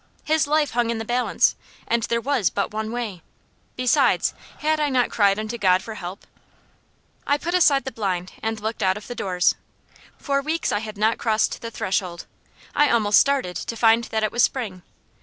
His life hung in the balance, and there was but one way; besides, had I not cried unto God for help? I put aside the blind, and looked out of doors. For weeks I had not crossed the threshold; I almost started to find that it was spring.